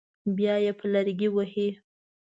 بیا یې په لرګي وهي.